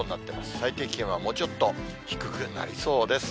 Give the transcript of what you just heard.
最低気温はもうちょっと低くなりそうです。